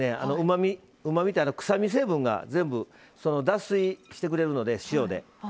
うまみ臭み成分が全部脱水してくれるので、塩で。